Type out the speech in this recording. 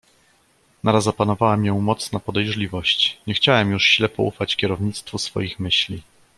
"Naraz opanowała mię mocna podejrzliwość: nie chciałem już ślepo ufać kierownictwu swoich myśli."